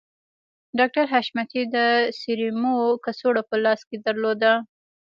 ډاکټر حشمتي د سيرومو کڅوړه په لاس کې درلوده